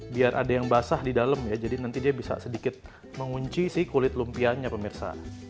biar ada yang basah di dalam ya jadi nanti dia bisa sedikit mengunci si kulit lumpianya pemirsa